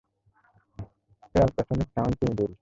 এই ultrasonic sound তিমিদেরই!